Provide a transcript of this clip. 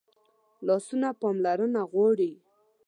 لاسونه پاملرنه غواړي